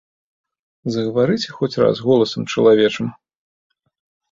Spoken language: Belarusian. Загаварыце хоць раз голасам чалавечым.